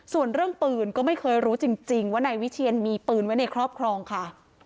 ส่วนเรื่องปืนก็ไม่เคยรู้จริงว่านายวิเชียนมีปืนไว้ในครอบครองค่ะ